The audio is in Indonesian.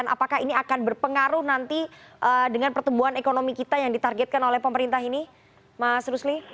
apakah ini akan berpengaruh nanti dengan pertumbuhan ekonomi kita yang ditargetkan oleh pemerintah ini mas rusli